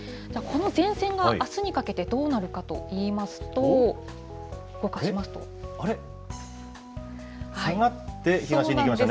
じゃあ、この前線があすにかけてどうなるかといいますと、動かしあれ？